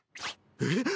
えっ？